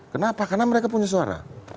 kenapa karena mereka punya suara